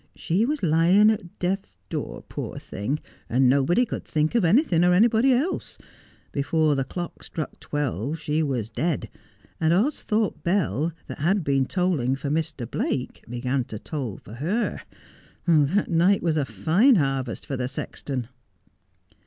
She was lying at death's door, poor thing, and nobody could think of anything or anybody else. Before the clock struck twelve she was dead, and Austhorpe bell, that had been tolling for Mr. Blake, began to toll for her. That night, was a line harvest for the sexton.'